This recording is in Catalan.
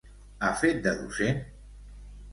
Ha fet de docent?